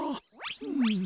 うん。